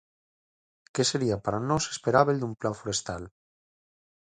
¿Que sería para nós esperábel dun plan forestal?